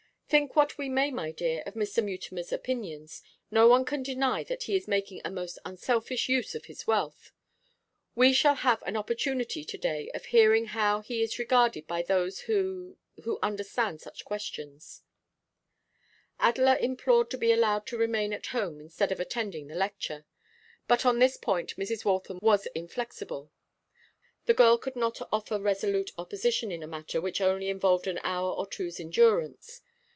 'Think what we may, my dear, of Mr. Mutimer's opinions, no one can deny that he is making a most unselfish use of his wealth. We shall have an opportunity to day of hearing how it is regarded by those who who understand such questions.' Adela implored to be allowed to remain at home instead of attending the lecture, but on this point Mrs. Waltham was inflexible. The girl could not offer resolute opposition in a matter which only involved an hour or two's endurance.